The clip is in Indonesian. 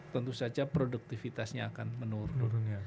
tentu saja produktivitasnya akan menurun